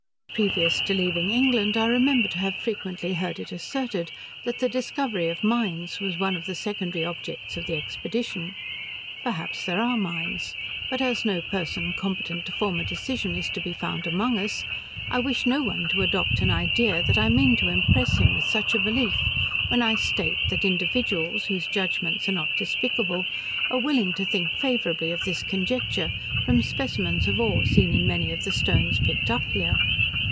Previous to leaving England I remember to have frequently heard it asserted, that the discovery of mines was one of the secondary objects of the expedition. Perhaps there are mines; but as no person competent to form a decision is to be found among us, I wish no one to adopt an idea, that I mean to impress him with such a belief, when I state, that individuals, whose judgements are not despicable, are willing to think favourably of this conjecture, from specimens of ore seen in many of the stones picked up here.